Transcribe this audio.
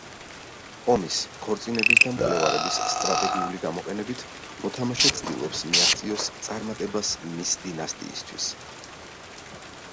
ომის, ქორწინების და მკვლელობების სტრატეგიული გამოყენებით, მოთამაშე ცდილობს მიაღწიოს წარმატებას მის დინასტიისთვის.